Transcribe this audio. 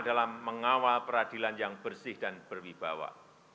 dalam mengawal peradilan yang bersih dan berwibawa